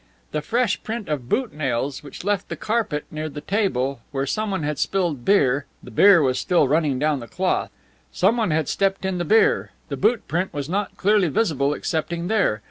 The fresh print of boot nails which left the carpet near the table, where someone had spilled beer (the beer was still running down the cloth). Someone had stepped in the beer. The boot print was not clearly visible excepting there.